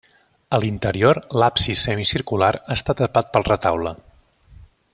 A l'interior l'absis semicircular està tapat pel retaule.